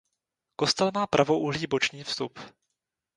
Kostel má pravoúhlý boční vstup.